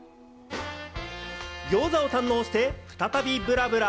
ギョーザを堪能して、再びブラブラ。